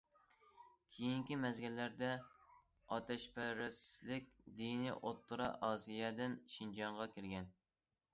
كېيىنكى مەزگىللەردە ئاتەشپەرەسلىك دىنى ئوتتۇرا ئاسىيادىن شىنجاڭغا كىرگەن.